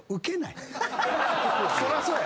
そらそうや。